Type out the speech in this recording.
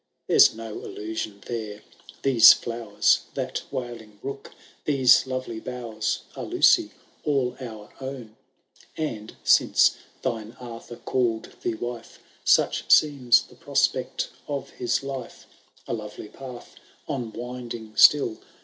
There*s no illusion there ; these flowers. That wailing brook, these lovely bowers, Are, Lucy, all our own ; And, since thine Arthur call*d thee wife. Such seems the prospect of his life, A lovely path, on winding still.